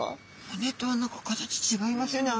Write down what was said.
骨とは何か形違いますよね